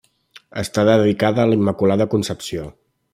Està dedicada a la Immaculada Concepció.